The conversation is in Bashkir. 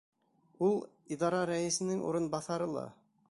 Ул — идара рәйесенең урынбаҫары ла.